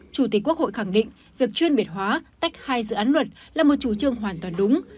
chủ tịch quốc hội khẳng định việc chuyên biệt hóa tách hai dự án luật là một chủ trương hoàn toàn đúng